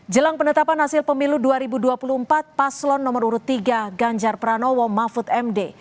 jelang penetapan hasil pemilu dua ribu dua puluh empat paslon nomor urut tiga ganjar pranowo mahfud md